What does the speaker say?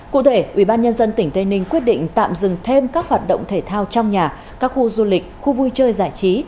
cụ thể ubnd tỉnh tây ninh quyết định tạm dừng thêm các hoạt động thể thao trong nhà các khu du lịch khu vui chơi giải trí